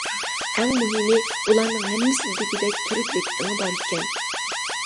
ئەڭ مۇھىمى بۇلارنىڭ ھەممىسىدە دېگۈدەك تۈرۈكلۈك ئېڭى بار ئىكەن.